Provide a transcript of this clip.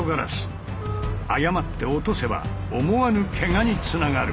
誤って落とせば思わぬケガにつながる。